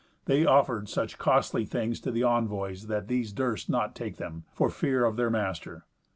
They offered such costly things to the envoys that these durst not take them, for fear of their master.